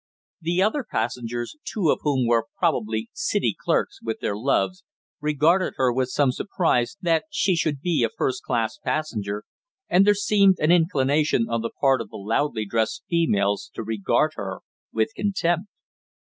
The other passengers, two of whom were probably City clerks with their loves, regarded her with some surprise that she should be a first class passenger, and there seemed an inclination on the part of the loudly dressed females to regard her with contempt.